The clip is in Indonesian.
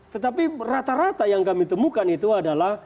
tetapi rata rata yang kami temukan itu adalah